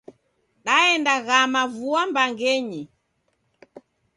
Daenda ghama vua mbangenyi.